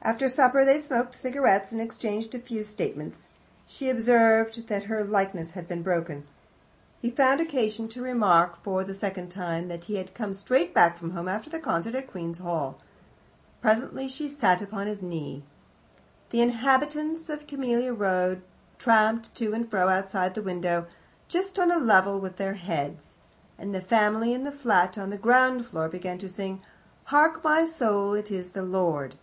After supper they smoked cigarettes and exchanged a few statements. She observed that her "likeness" had been broken. He found occasion to remark, for the second time, that he had come straight back home after the concert at Queen's Hall. Presently she sat upon his knee. The inhabitants of Camelia Road tramped to and fro outside the window, just on a level with their heads, and the family in the flat on the ground floor began to sing, "Hark, my soul, it is the Lord."